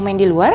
mau main di luar